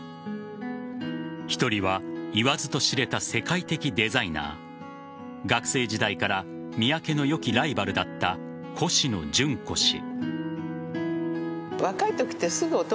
１人は言わずと知れた世界的デザイナー学生時代から三宅の良きライバルだったコシノジュンコ氏。